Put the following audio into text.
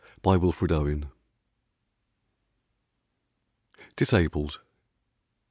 60 WILFRED OWES. DISABLED.